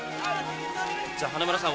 じゃあ花村さん